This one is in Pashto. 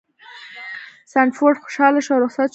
سنډفورډ خوشحاله شو او رخصت شو.